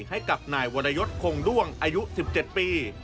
ให้กับนายวรยศคงด้วงอายุ๑๗ปี